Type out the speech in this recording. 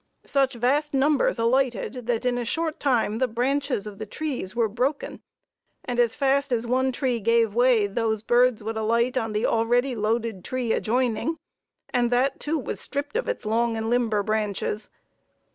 Such vast numbers alighted that in a short time the branches of the trees were broken and as fast as one tree gave way those birds would alight on the already loaded tree adjoining, and, that, too, was stripped of its long and limber branches.